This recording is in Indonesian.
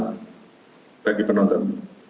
keselamatan bagi penonton